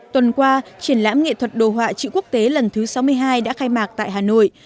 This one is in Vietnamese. tuần qua triển lãm nghệ thuật đồ họa chữ quốc tế lần thứ sáu mươi hai đã khai mạc tại hà nội